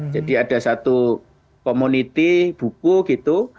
jadi ada satu community buku gitu